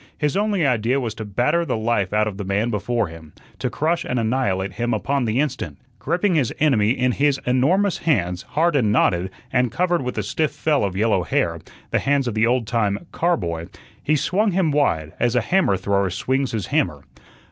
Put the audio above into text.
His only idea was to batter the life out of the man before him, to crush and annihilate him upon the instant. Gripping his enemy in his enormous hands, hard and knotted, and covered with a stiff fell of yellow hair the hands of the old time car boy he swung him wide, as a hammer thrower swings his hammer.